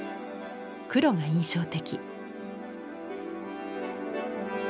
黒が印象的。